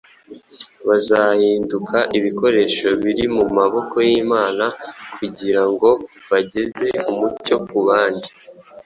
bazahinduka ibikoresho biri mu maboko y’Imana kugira ngo bageze umucyo ku bandi.